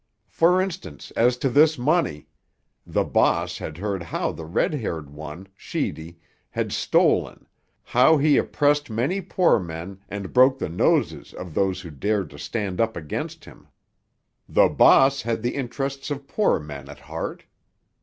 For instance, as to this money: the "bahss" had heard how the red haired one—Sheedy—had stolen, how he oppressed many poor men and broke the noses of those who dared to stand up against him. The "bahss" had the interests of poor men at heart.